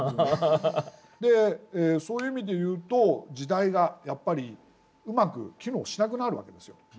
そういう意味で言うと時代がやっぱりうまく機能しなくなる訳ですよ。